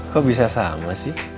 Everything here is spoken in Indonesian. kok bisa sama sih